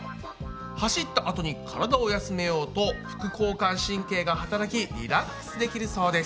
走ったあとに体を休めようと副交感神経がはたらきリラックスできるそうです。